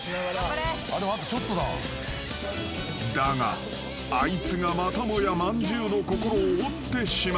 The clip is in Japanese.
［だがあいつがまたもやまんじゅうの心を折ってしまう］